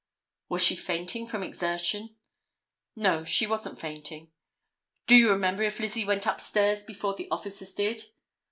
"Was she fainting from exertion?" "No, she wasn't fainting." "Do you remember if Lizzie went upstairs before the officers did?"